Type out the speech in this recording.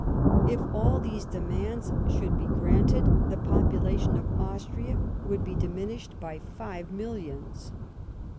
If all these demands should be granted the population of Austria would be diminished by five millions.